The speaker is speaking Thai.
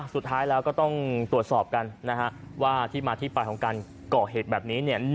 สุดท้ายแล้วก็ต้องตรวจสอบกันนะฮะว่าที่มาที่ไปของการก่อเหตุแบบนี้เนี่ย